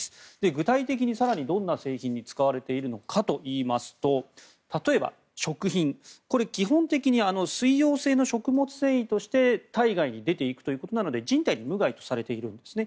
具体的に更にどんな製品に使われているのかといいますと例えば、食品これ、基本的に水溶性の食物繊維として体外に出ていくということなので人体に無害とされているんですね。